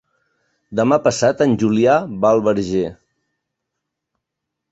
Demà passat en Julià va al Verger.